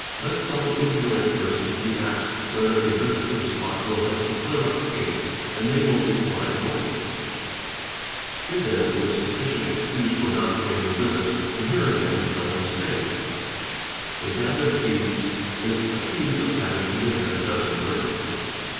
Let some EXPEDITION 47 ignorant persons be asked whether a visit to the spot will help to clear x up the case and they will reply no; here then 1s sufficient excuse for not _ paying the visit and here again time is saved. A band of thieves is accused of having committed a dozen burglaries.